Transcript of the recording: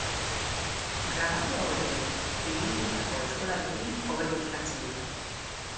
Grabatu hauek ere Pirinioetako eskolarekin hobeto uztartzen dira.